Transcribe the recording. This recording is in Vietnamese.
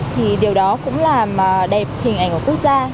thì điều đó cũng làm đẹp hình ảnh của quốc gia